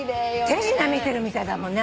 手品見てるみたいだもんね。